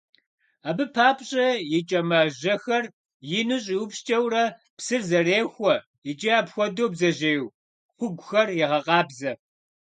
Абы папщӀэ и кӀэмажьэхэр ину щӀиупскӀэурэ, псыр зэрехуэ икӀи апхуэдэу бдзэжьей хугухэр егъэкъабзэ.